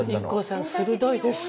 ＩＫＫＯさん鋭いです！